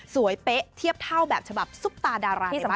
สวยเป๊ะเทียบเท่าแบบฉบับซุปตาดาราในบ้านเรา